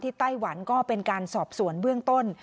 ไต้หวันก็เป็นการสอบสวนเบื้องต้น